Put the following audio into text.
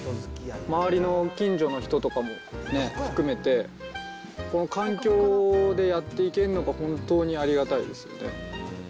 周りの近所の人とかもね、含めて、この環境でやっていけるのが本当にありがたいですよね。